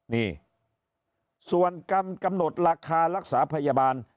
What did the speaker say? นี่ส่วนกำหนดราคารักษาพยาบาล